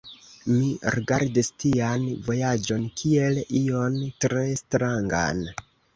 Mi rigardis tian vojaĝon kiel ion tre strangan.